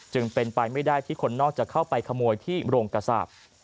จึงเป็นไปไม่ได้ที่คนนอกจะเข้าไปขโมยที่โรงกระสาป